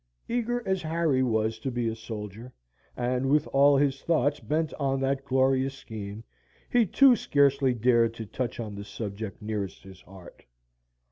Eager as Harry was to be a soldier, and with all his thoughts bent on that glorious scheme, he too scarcely dared to touch on the subject nearest his heart.